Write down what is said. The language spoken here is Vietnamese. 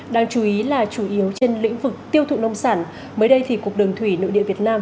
đáng chú ý là chủ yếu trên lĩnh vực tiêu thụ nông sản mới đây thì cục đường thủy nội địa việt nam